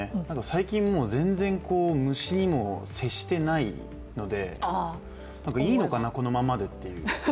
最近、全然、虫にも接してないのでいいのかな、このままでという。